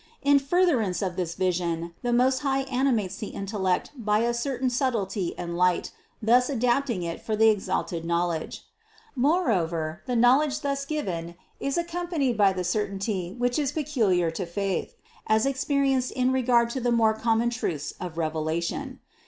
In furtherance of this vision the Most High animates the intellect by a certain subtlety and light, thus adapting it for the exalted knowledge. Moreover the knowledge thus given is ac companied by the certainty which is peculiar to faith, as experienced in regard to the more common truths of revelation.